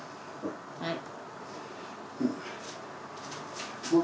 はい。